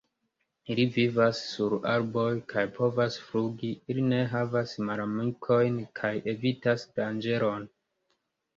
Ili vivas sur arboj kaj povas flugi, ili ne havas malamikojn kaj evitas danĝeron.